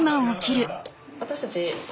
私たち